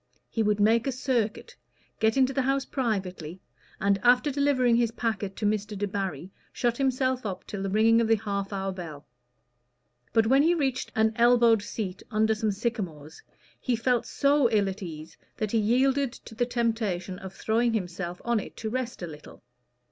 He would make a circuit, get into the house privately, and after delivering his packet to Mr. Debarry, shut himself up till the ringing of the half hour bell. But when he reached an elbowed seat under some sycamores, he felt so ill at ease that he yielded to the temptation of throwing himself on it to rest a little.